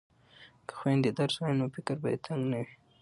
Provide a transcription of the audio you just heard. که خویندې درس ووایي نو فکر به یې تنګ نه وي.